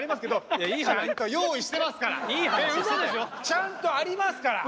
ちゃんとありますから。